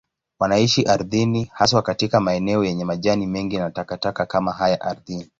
Wanaishi ardhini, haswa katika maeneo yenye majani mengi na takataka kama haya ardhini.